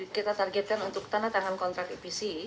yang akan kita targetkan untuk tanah tangan kontrak ipc